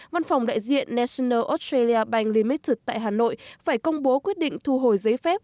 văn phòng đại diện national australia bank limited tại hà nội phải công bố quyết định thu hồi giấy phép